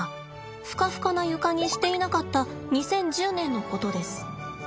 フカフカな床にしていなかった２０１０年のことです。